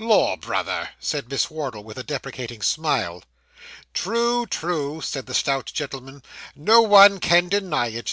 'Lor, brother!' said Miss Wardle, with a deprecating smile. 'True, true,' said the stout gentleman; 'no one can deny it.